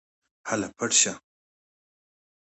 هله پټ شه.